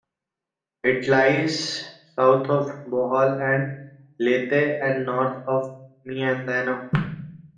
It lies south of Bohol and Leyte and north of Mindanao.